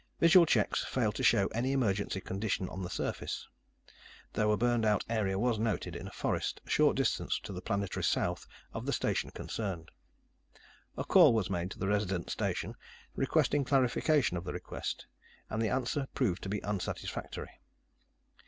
Visual checks failed to show any emergency condition on the surface, though a burned out area was noted in the forest a short distance to the planetary south of the station concerned. A call was made to the resident station, requesting clarification of the request, and the answer proved to be unsatisfactory.